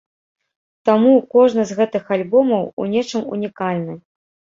Таму кожны з гэтых альбомаў у нечым ўнікальны.